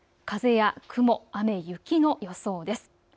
風や雲、雨、雪の予想です。